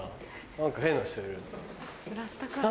何か変な人いる。